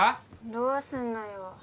どうすんのよ